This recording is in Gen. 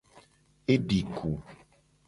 E di ku.